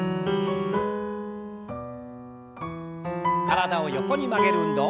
体を横に曲げる運動。